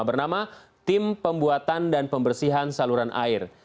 bernama tim pembuatan dan pembersihan saluran air